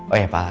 oh ya pak